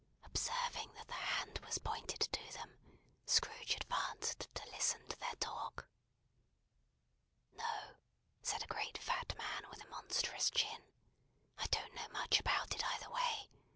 Observing that the hand was pointed to them, Scrooge advanced to listen to their talk. "No," said a great fat man with a monstrous chin, "I don't know much about it, either way.